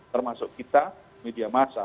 termasuk kita media massa